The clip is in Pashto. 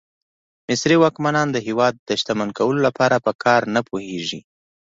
مصري واکمنان د هېواد د شتمن کولو لپاره په کار نه پوهېږي.